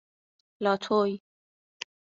لاتوی